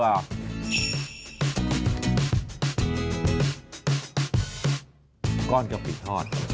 ที่เราบอกว่ามีหลายอย่างไม่ได้มีแต่กะปิอย่างเดียว